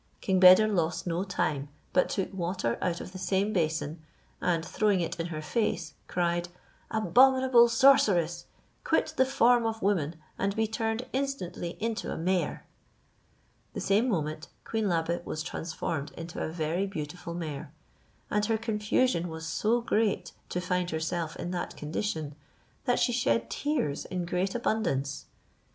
King Beder lost no time, but took water out of the same basin, and throwing it in her face, cried, "Abominable sorceress ! quit the form of woman, and be turned instantly into a mare." The same moment, Queen Labe was transformed into a very beautiful mare; and her confusion was so great to find herself in that condition, that she shed tears in great abundance.